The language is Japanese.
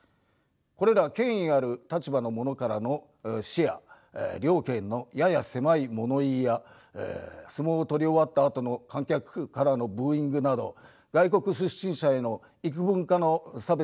これら権威ある立場の者からの視野了見のやや狭い物言いや相撲を取り終わったあとの観客からのブーイングなど外国出身者への幾分かの差別もあると吾輩は感じる。